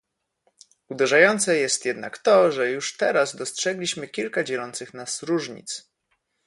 Uderzające jest jednak to, że już teraz dostrzegliśmy kilka dzielących nas różnic